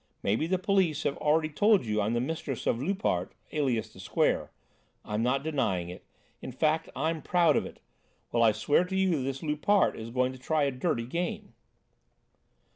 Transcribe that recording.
Maybe the police have already told you I am the mistress of Loupart, alias the Square. I'm not denying it; in fact, I'm proud of it. Well, I swear to you that this Loupart is going to try a dirty game."